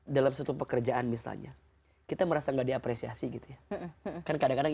dalam satu pekerjaan misalnya kita merasa nggak diapresiasi gitu ya kan kadang kadang